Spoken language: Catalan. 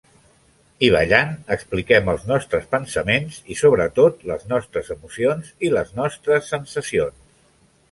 I ballant expliquem els nostres pensaments, i sobretot les nostres emocions i les nostres sensacions.